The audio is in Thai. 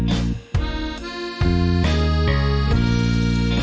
อันนี้